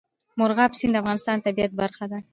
مورغاب سیند د افغانستان د طبیعت برخه ده.